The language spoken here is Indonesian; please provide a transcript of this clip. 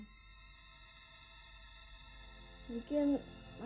tapi harus pegang dirimu